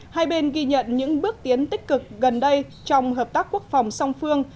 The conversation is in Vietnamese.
hai bên ghi nhận những bước tiến tích cực gần đây trong hợp tác quốc phòng song phương